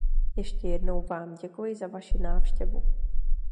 Ještě jednou vám děkuji za vaši návštěvu.